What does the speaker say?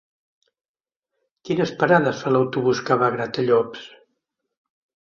Quines parades fa l'autobús que va a Gratallops?